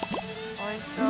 おいしそう！